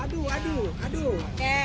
aduh aduh aduh